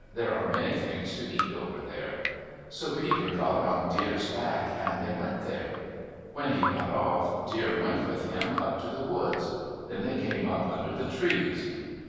"There are many things to eat over there." So Beaver got on Deer's back, and they went there. When he got off, Deer went with him up to the woods. Then they came up under the trees.